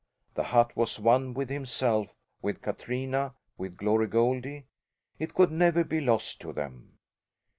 The hut was one with himself; with Katrina; with Glory Goldie. It could never be lost to them.